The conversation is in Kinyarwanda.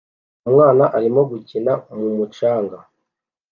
Umwana arimo gukina mu mucanga